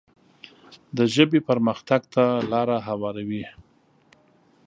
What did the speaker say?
د ژبې پرمختګ ته لاره هواروي.